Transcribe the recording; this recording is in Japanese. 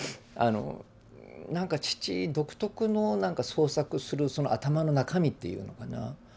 あの何か父独特の何か創作するその頭の中身っていうのかな